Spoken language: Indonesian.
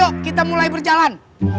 ayo kita mulai berjalan